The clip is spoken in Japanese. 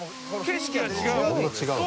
景色が違う。